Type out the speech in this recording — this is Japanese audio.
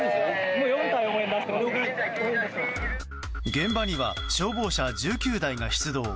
現場には消防車１９台が出動。